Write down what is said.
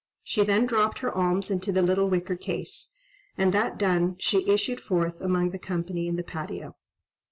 She then dropped her alms into the little wicker case—and that done, she issued forth among the company in the patio.